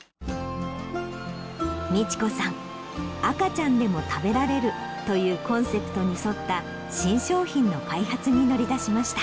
満子さん「赤ちゃんでも食べられる」というコンセプトに沿った新商品の開発に乗り出しました。